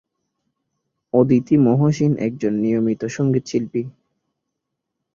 অদিতি মহসিন একজন নিয়মিত সঙ্গীত শিল্পী।